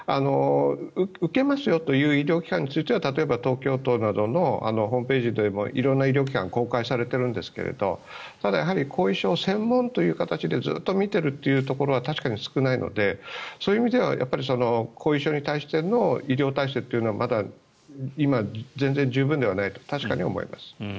受けますよという医療機関については例えば東京都などのホームページでも色んな医療機関が公開されているんですけれどただ、後遺症専門という形でずっと診てるってところは確かに少ないのでそういう意味では後遺症に対しての医療体制というのはまだ今、全然、十分ではないと確かに思います。